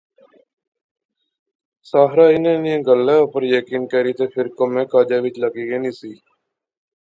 ساحرہ اس نیاں گلاہ اُپر یقین کری تے فیر کمے کاجے وچ لاغی گینی سی